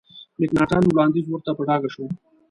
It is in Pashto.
مکناټن وړاندیز ورته په ډاګه شو.